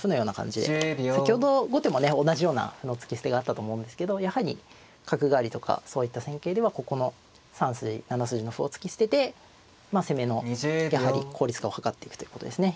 先ほど後手もね同じような歩の突き捨てがあったと思うんですけどやはり角換わりとかそういった戦型ではここの３筋７筋の歩を突き捨てて攻めのやはり効率化を図っていくということですね。